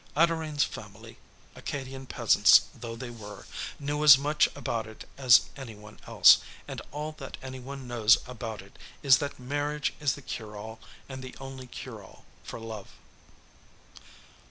Adorine's family, Acadian peasants though they were, knew as much about it as any one else, and all that any one knows about it is that marriage is the cure all, and the only cure all, for love.